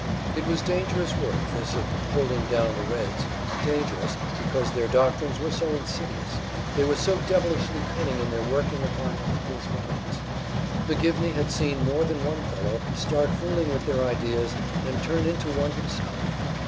It was dangerous work, this of holding down the Reds; dangerous, because their doctrines were so insidious, they were so devilishly cunning in their working upon people's minds. McGivney had seen more than one fellow start fooling with their ideas and turn into one himself.